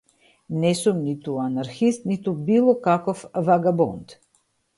Не сум ниту анархист ниту било каков вагабонт.